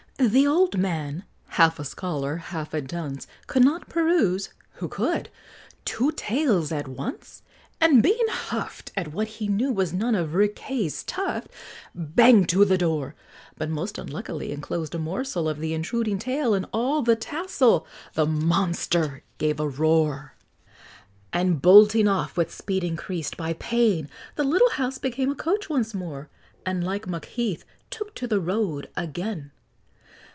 The old man, half a scholar, half a dunce, Could not peruse, who could? two tales at once; And being huffed At what he knew was none of Riquet's Tuft; Banged to the door, But most unluckily enclosed a morsel Of the intruding tail, and all the tassel: The monster gave a roar, And bolting off with speed increased by pain, The little house became a coach once more, And, like Macheath, "took to the road" again!